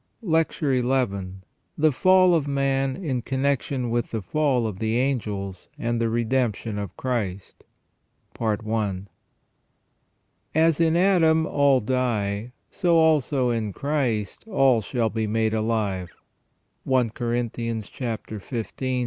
LECTURE XL THE FALL OF MAN IN CONNECTION WITH THE FALL OF THE ANGELS AND THE REDEMPTION OF CHRIST. "As in Adam all die, so also in Christ all shall be made alive." — I Corinthians xv.